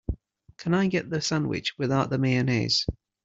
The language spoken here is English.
Can I get the sandwich without mayonnaise?